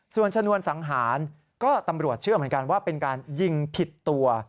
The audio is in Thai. ส่วนชนวนสังหารก็ตำรวจเชื่อเหมือนกันว่าเป็นการยิงผิดตัว